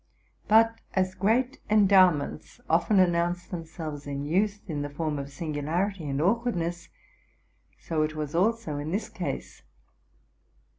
But as great endowments often announce themselves in youth in the form of singularity and awkwardness, so was it also in this case.